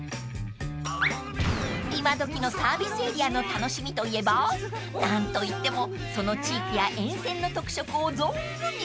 ［今どきのサービスエリアの楽しみといえば何といってもその地域や沿線の特色を存分に生かした絶品グルメ］